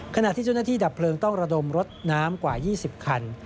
ขณะที่เจ้าหน้าที่ดับเพลิงต้องระดมรถน้ำกว่า๒๐คัน